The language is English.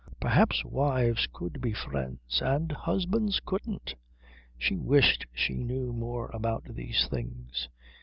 Perhaps wives could be friends and husbands couldn't. She wished she knew more about these things.